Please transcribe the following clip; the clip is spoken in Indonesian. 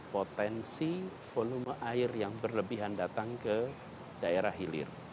potensi volume air yang berlebihan datang ke daerah hilir